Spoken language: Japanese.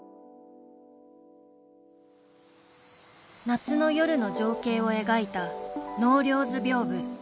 夏の夜の情景を描いた「納涼図屏風」